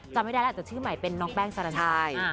จำไม่ได้แล้วแต่ชื่อใหม่เป็นน้องแป้งสารัญชัตริย์